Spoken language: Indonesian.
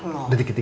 bumbunya repot nih